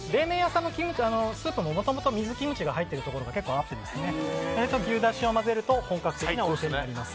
冷麺屋さんのスープももともと水キムチが入っているところが結構あってそれと牛だしを混ぜると本格的な味になります。